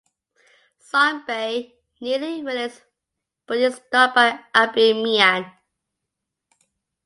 Sonbai nearly relents, but is stopped by Abu Mian.